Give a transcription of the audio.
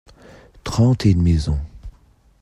Trente et une maisons.